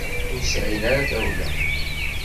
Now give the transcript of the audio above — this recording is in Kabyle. Ur sɛin ara tawla.